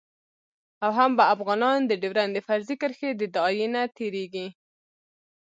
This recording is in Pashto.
او هم به افغانان د ډیورند د فرضي کرښې د داعیې نه تیریږي